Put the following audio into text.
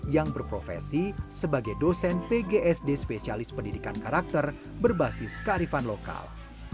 yang berprofesi sebagai dosen pgsd spesialis pendidikan karakter berbasis kearifan lokal